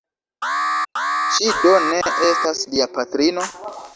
Ŝi do ne estas lia patrino?